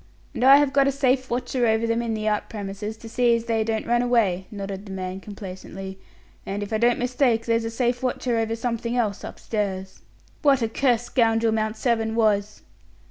"And I have got a safe watcher over them in the out premises, to see as they don't run away," nodded the man, complacently; "and if I don't mistake, there's a safe watcher over something else upstairs." "What a cursed scoundrel Mount Severn was."